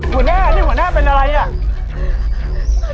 หัวหน้านี่หัวหน้าเป็นอะไรอ่ะ